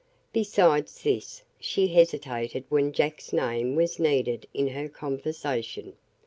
Besides this she hesitated when Jack's name was needed in her conversation.